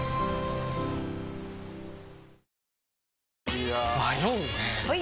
いや迷うねはい！